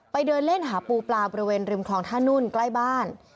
เดินเล่นหาปูปลาบริเวณริมคลองท่านุ่นใกล้บ้าน